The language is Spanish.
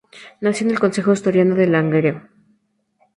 Nació en el concejo asturiano de Langreo.